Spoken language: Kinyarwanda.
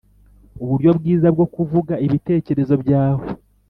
uburyo bwiza bwo kuvuga ibitekerezo byawe